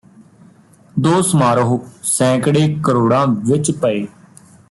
ਦੋ ਸਮਾਰੋਹ ਸੈਂਕੜੇ ਕਰੋੜਾਂ ਵਿਚ ਪਏ